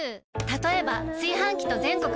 たとえば炊飯器と全国